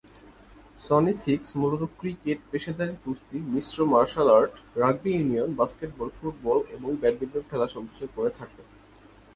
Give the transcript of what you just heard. Sony six মূলত cricket, পেশাদারী কুস্তি, মিশ্র martial art, rugby union, basketball, football এবং ব্যাডমিন্টন খেলা সম্প্রচার করে থাকে।